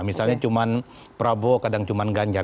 misalnya cuma prabowo kadang cuma ganjar